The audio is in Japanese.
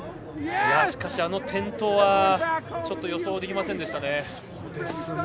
しかし、あの転倒は予想ができませんでした。